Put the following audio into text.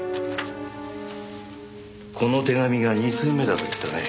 この手紙が２通目だと言ったね。